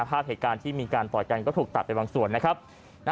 ภาพเหตุการณ์ที่มีการต่อยกันก็ถูกตัดไปบางส่วนนะครับ